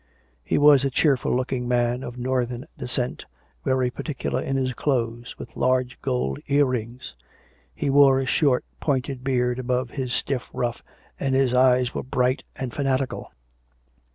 He was a cheerful looking man, of northern descent, very particular in his clothes, with large gold ear rings; he wore a short, pointed beard above his "stiff ruff, and his eyes were bright and fanatical.